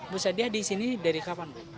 bu sadia di sini dari kapan bu